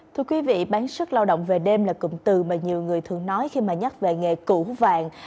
thưa quý vị bán sức lao động về đêm là cụm từ mà nhiều người thường nói khi mà nhắc về nghề cũ vàng